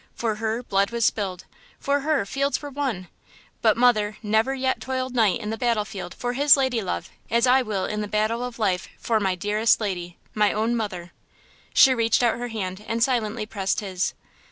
For her, blood was spilled; for her, fields were won; but, mother, never yet toiled knight in the battlefield for his lady love as I will in the battle of life for my dearest lady–my own mother!" She reached out her hand and silently pressed his.